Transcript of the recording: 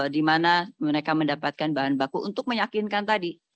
di mana mereka mendapatkan bahan baku untuk meyakinkan tadi